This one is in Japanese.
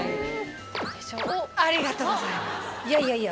ありがとうございます。